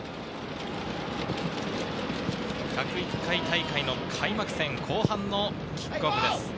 １０１回大会の開幕戦、後半のキックオフです。